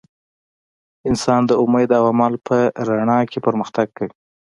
انسان د امید او عمل په رڼا کې پرمختګ کوي.